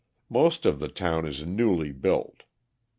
Most of the town is newly built.